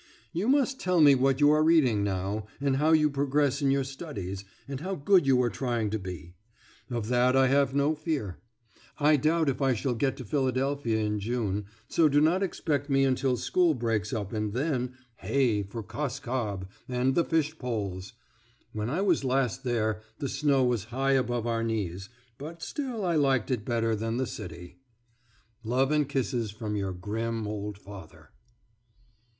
You must tell me what you are reading now, and how you progress in your studies, and how good you are trying to be. Of that I have no fear. I doubt if I shall get to Philadelphia in June; so do not expect me until school breaks up and then "hey for Cos Cob" and the fish poles! When I was last there the snow was high above our knees; but still I liked it better than the city .... Love and kisses from your grim old father.